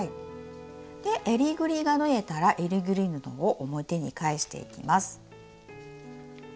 えりぐりが縫えたらえりぐり布を表に返していきます。